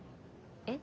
え？